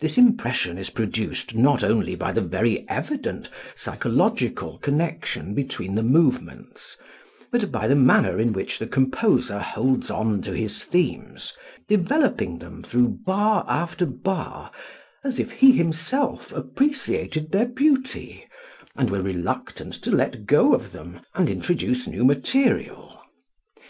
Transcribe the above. This impression is produced not only by the very evident psychological connection between the movements, but by the manner in which the composer holds on to his themes, developing them through bar after bar as if he himself appreciated their beauty and were reluctant to let go of them and introduce new material.